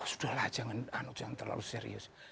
sudahlah jangan terlalu serius